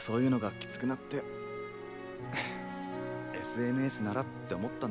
ＳＮＳならって思ったんですけど